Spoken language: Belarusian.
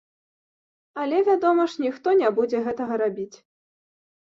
Але, вядома ж, ніхто не будзе гэтага рабіць.